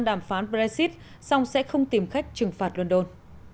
đàm phán brexit song sẽ không tìm cách trừng phạt london